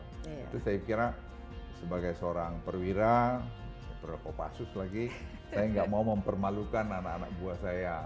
itu saya kira sebagai seorang perwira perwira kopassus lagi saya nggak mau mempermalukan anak anak buah saya